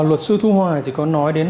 luật sư thu hoài thì có nói đến